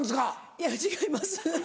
いや違います